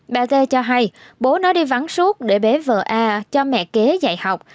bà rê cho hay bố nó đi vắng suốt để bé vợ a cho mẹ kế dạy học